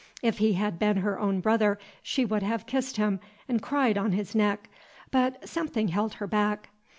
If he had been her own brother, she would have kissed him and cried on his neck; but something held her back.